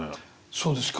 そうですか？